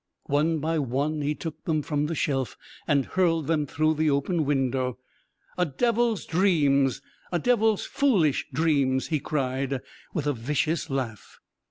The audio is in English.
One by one he took them from the shelf and hurled them through the open window. "A devil's dreams! A devil's foolish dreams!" he cried, with a vicious laugh.